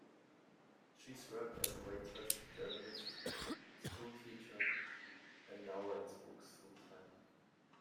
She's worked as a waitress, journalist, school teacher and now writes books full-time.